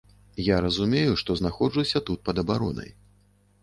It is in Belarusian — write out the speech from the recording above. Я разумею, што знаходжуся тут пад абаронай.